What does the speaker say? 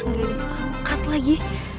gak diangkat lagi